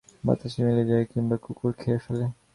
বাতাসে মিলিয়ে যায় কিংবা কুকুর খেয়ে ফেলে।